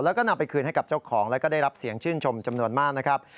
แล้วก็นำไปคืนให้กับเจ้าของแล้วก็ได้รับเสียงชื่นชมจำนวนมากนะครับ